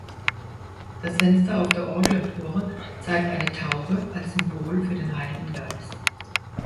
Das Fenster auf der Orgelempore zeigt eine Taube als Symbol für den Heiligen Geist.